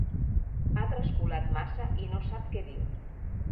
Ha trascolat massa i no sap què diu.